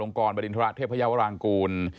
รวงกรบรินทระเทพยาวะร่างกุล